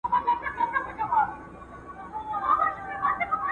پردی ملا راغلی دی پردي یې دي نیتونه .